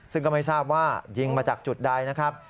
ซึ่งก็ไม่ทราบว่ายิงมาจากจุดใดนะครับ